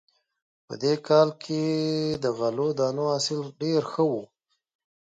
په دې کال کې د غلو دانو حاصل ډېر ښه و